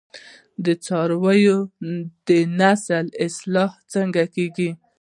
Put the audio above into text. د څارویو د نسل اصلاح څنګه کیږي؟